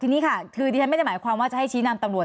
ทีนี้ค่ะคือดิฉันไม่ได้หมายความว่าจะให้ชี้นำตำรวจ